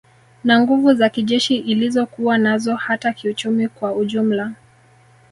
Na nguvu za kijeshi ilizokuwa nazo hata kiuchumi kwa ujumla